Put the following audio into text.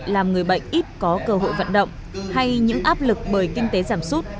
làm người bệnh ít có cơ hội vận động hay những áp lực bởi kinh tế giảm sút